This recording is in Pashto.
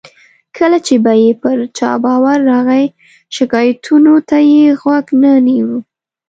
کله چې به یې پر چا باور راغی، شکایتونو ته یې غوږ نه نیو.